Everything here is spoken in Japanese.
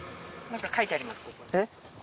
えっ？